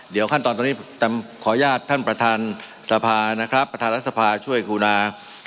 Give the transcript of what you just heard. เดี๋ยวขั้นตอนตรงนี้ขออนุญาตท่านประธานสภานะครับประธานรัฐสภาช่วยกรุณา